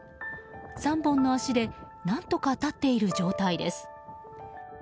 ３本の足で何とか立っている状態です。